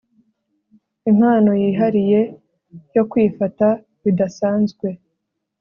impano yihariye yo kwifata bidasanzwe